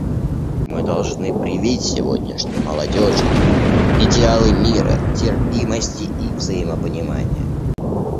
Мы должны привить сегодняшней молодежи идеалы мира, терпимости и взаимопонимания.